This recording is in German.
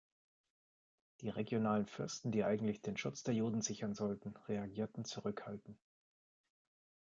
Die regionalen Fürsten, die eigentlich den Schutz der Juden sichern sollten, reagierten zurückhaltend.